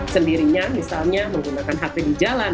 sendirinya misalnya menggunakan hp di jalan